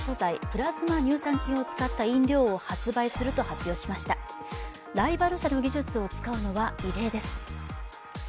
ライバル社の技術を使うのは異例です。